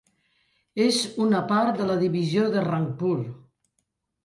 És una part de la divisió de Rangpur.